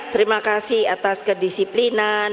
terima kasih atas kedisiplinan